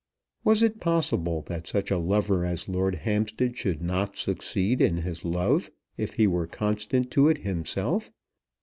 Was it possible that such a lover as Lord Hampstead should not succeed in his love if he were constant to it himself?